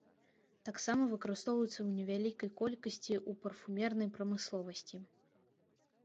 Таксама выкарыстоўваецца ў невялікай колькасці ў парфумернай прамысловасці.